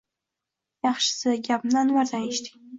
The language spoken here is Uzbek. Yaxshisi, gapni Anvardan eshiting: